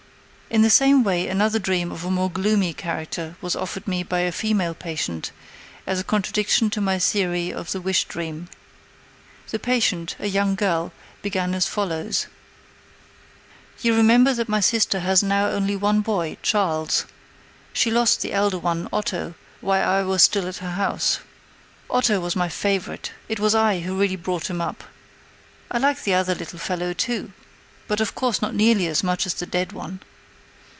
In the same way another dream of a more gloomy character was offered me by a female patient as a contradiction to my theory of the wish dream. The patient, a young girl, began as follows: "You remember that my sister has now only one boy, Charles: she lost the elder one, Otto, while I was still at her house. Otto was my favorite; it was I who really brought him up. I like the other little fellow, too, but of course not nearly as much as the dead one.